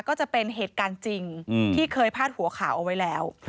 ก็จะเป็นเหตุการณ์จริงที่เคยพาดหัวข่าวเอาไว้แล้ว